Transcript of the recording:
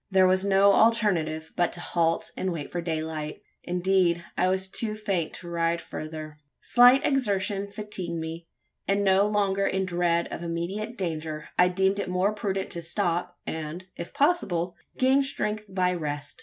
There was no alternative but to halt and wait for daylight. Indeed, I was too faint to ride further. Slight exertion fatigued me; and, no longer in dread of immediate danger I deemed it more prudent to stop, and, if possible, gain strength by rest.